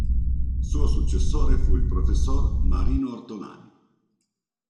Suo successore fu il professor Marino Ortolani.